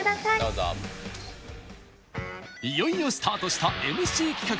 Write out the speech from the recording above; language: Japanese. いよいよスタートしたＭＣ企画。